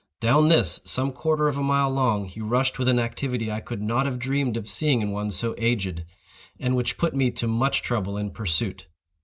Down this, some quarter of a mile long, he rushed with an activity I could not have dreamed of seeing in one so aged, and which put me to much trouble in pursuit.